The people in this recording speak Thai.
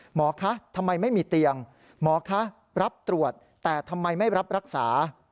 หมอคะทำไมไม่มีเตียงหมอคะรับตรวจแต่ทำไมไม่รับรักษา